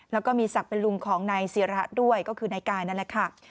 แล้วก็มีศักดิ์เป็นลุงของนายศิระด้วยก็คือนายกายนั่นแหละค่ะ